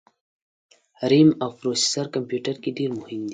رېم او پروسیسر کمپیوټر کي ډېر مهم دي